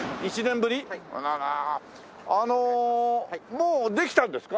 もうできたんですか？